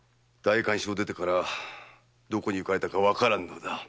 代官所を出てからどこに行かれたかわからぬのだ。